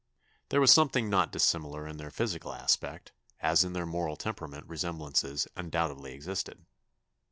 There was something not dissimilar in their physical aspect, as in their moral temperament resemblances undoubtedly existed.